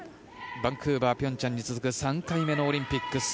バンクーバー、平昌に続く３回目のオリンピック。